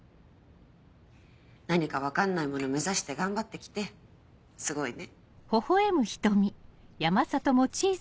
何か分かんないもの目指して頑張ってきてすごいね。